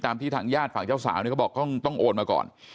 ที่ทางญาติฝั่งเจ้าสาวเนี่ยเขาบอกต้องโอนมาก่อน